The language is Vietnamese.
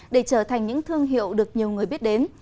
để trở thành những thương hiệu được nhiều người biết đến